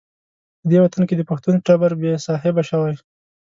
په دې وطن کې د پښتون ټبر بې صاحبه شوی.